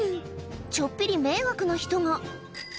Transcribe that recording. ちょっぴり迷惑な人が。